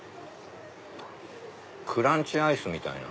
クランチアイスみたいな。